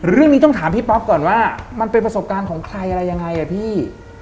เรื่องนี้ต้องถามพี่ป๊อปก่อนว่ามันเป็นประสบการณ์ของใครอะไรยังไงอ่ะพี่